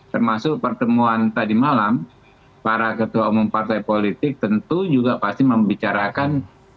termasuk pertemuan tadi malam para ketua umum partai politik tentu juga pasti membicarakan